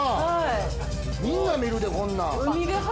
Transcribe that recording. みんな見るでこんなん。